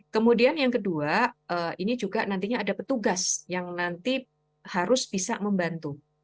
kemudian yang kedua ini juga nantinya ada petugas yang nanti harus bisa membantu